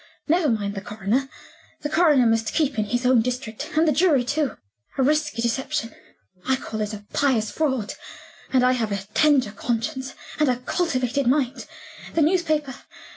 Never mind the coroner, the coroner must keep in his own district and the jury too. A risky deception? I call it a pious fraud. And I have a tender conscience, and a cultivated mind. The newspaper?